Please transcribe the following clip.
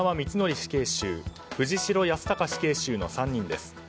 死刑囚藤城康孝死刑囚の３人です。